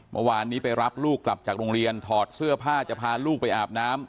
เมื่อวานนี้ไปรับลูกกลับจากโรงเรียนถอดเสื้อผ้าจะพาลูกไปอาบน้ำ